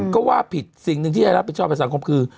ก็ว่าผิดสิ่งหนึ่งที่จะรับผิดชอบกับสังคมคือ